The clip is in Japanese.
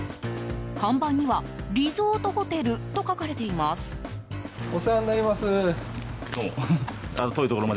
看板には、リゾートホテルと書かれています。